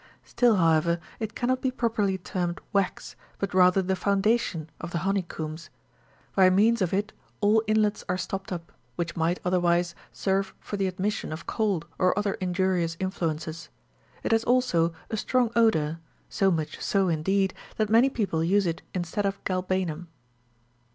Still, however, it cannot be properly termed wax, but rather the foundation of the honey combs ; by means of it all inlets are stopped up, which might, otherwise,_ serve for the admission of cold or other injurious influences ; it has also a strong odour, so much so, indeed, that many people use it instead of galbanum.